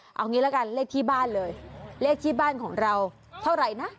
เอางี้ละกันเลขที่บ้านเลยเลขที่บ้านของเราเท่าไหร่นะ